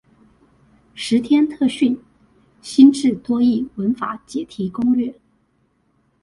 十天特訓！新制多益文法解題攻略